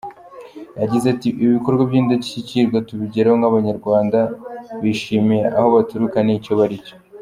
Yagize ati ‘‘Ibikorwa by’indashyikirwa tubigeraho nk’Abanyarwanda bishimiye aho baturuka n’icyo baricyo.